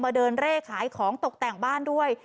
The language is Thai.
เดินเร่ขายของตกแต่งบ้านด้วย